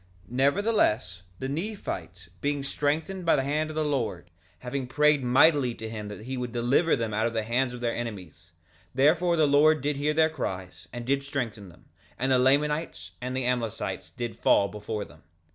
2:28 Nevertheless, the Nephites being strengthened by the hand of the Lord, having prayed mightily to him that he would deliver them out of the hands of their enemies, therefore the Lord did hear their cries, and did strengthen them, and the Lamanites and the Amlicites did fall before them.